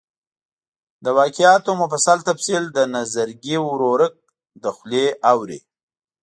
د واقعاتو مفصل تفصیل د نظرګي ورورک له خولې اوري.